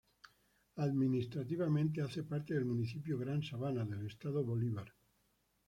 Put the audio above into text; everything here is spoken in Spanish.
Administrativamente hace parte del Municipio Gran Sabana, del Estado Bolívar.